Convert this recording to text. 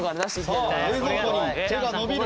さあ冷蔵庫に手が伸びる。